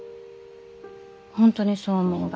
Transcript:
本当にそう思うが？